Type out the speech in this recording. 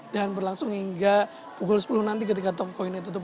dan berlangsung hingga pukul sepuluh nanti ketika top coinnya tutup